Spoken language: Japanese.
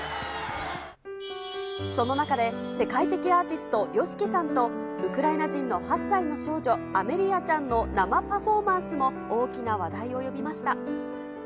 その中で、世界的アーティスト、ＹＯＳＨＩＫＩさんと、ウクライナ人の８歳の少女、アメリアちゃんの生パフォーマンスも、大きな話題を呼びました。